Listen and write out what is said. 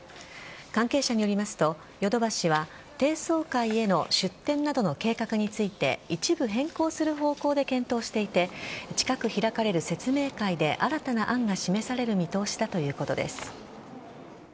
関係者によりますと、ヨドバシは低層階への出店などの計画について一部変更する方向で検討していて近く開かれる説明会で新たな案が示される見通しだということです。